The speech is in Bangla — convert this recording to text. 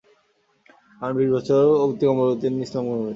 কারণ বিশ বৎসর অতিক্রম করার পূর্বেই তিনি ইসলাম গ্রহণ করেছেন।